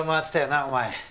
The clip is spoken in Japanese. なお前。